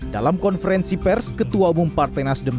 dalam konferensi pers ketua umum partai nasdem